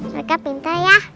mereka pinter ya